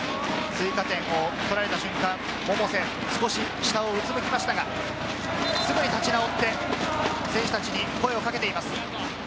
追加点を取られた瞬間、百瀬、少し下にうつむきましたが、すぐに立ち直って、選手たちに声をかけています。